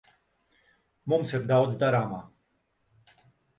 Mums ir daudz darāmā.